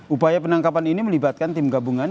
upaya penangkapan ini melibatkan tim gabungan